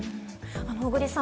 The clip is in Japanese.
小栗さん